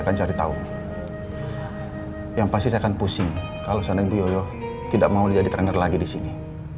akan cari tahu yang pasti akan pusing kalau sana gue tidak mau jadi trainer lagi di sini